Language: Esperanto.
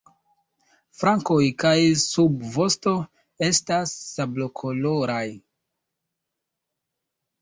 Flankoj kaj subvosto estas sablokoloraj.